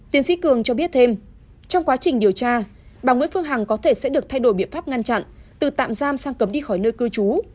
tiến sĩ cường cho biết thêm trong quá trình điều tra bà nguyễn phương hằng có thể sẽ được thay đổi biện pháp ngăn chặn từ tạm giam sang cấm đi khỏi nơi cư trú